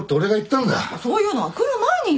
そういうのは来る前に言ってよ。